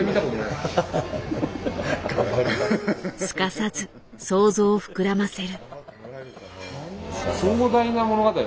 すかさず想像を膨らませる。